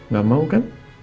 gak mau kan